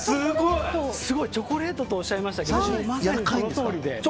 チョコレートとおっしゃいましたけどまさにそのとおりで。